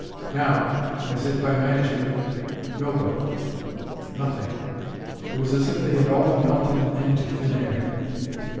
Now, as if by magic, nobody, nothing. It was as if they had all melted into thin air.